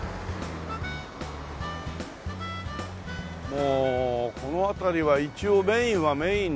もうこの辺りは一応メインはメインなんだけどね。